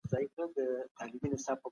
د تولید مصارف باید تر ممکنه حده راکم سي.